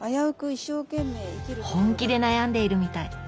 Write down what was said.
本気で悩んでいるみたい。